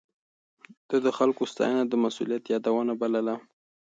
ده د خلکو ستاينه د مسؤليت يادونه بلله.